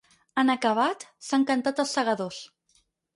En acabat, s’han cantat ‘Els segadors’.